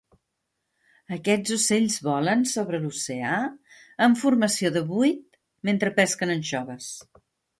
Aquests ocells volen sobre l'oceà en formació de vuit mentre pesquen anxoves.